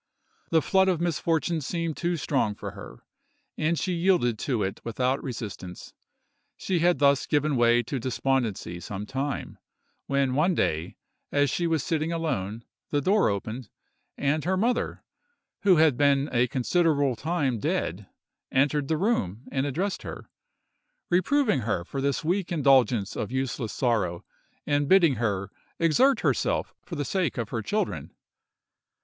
The flood of misfortune seemed too strong for her, and she yielded to it without resistance. She had thus given way to despondency some time, when one day, as she was sitting alone, the door opened, and her mother, who had been a considerable time dead, entered the room and addressed her, reproving her for this weak indulgence of useless sorrow, and bidding her exert herself for the sake of her children.